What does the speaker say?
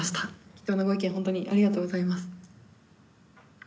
貴重なご意見ホントにありがとうございます